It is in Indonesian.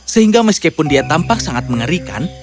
sehingga meskipun dia tampak sangat mengerikan